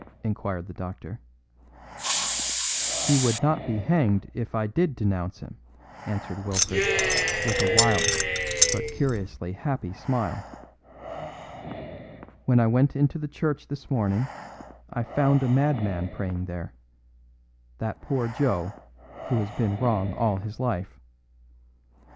inquired the doctor. "He would not be hanged if I did denounce him," answered Wilfred with a wild but curiously happy smile. "When I went into the church this morning I found a madman praying there that poor Joe, who has been wrong all his life.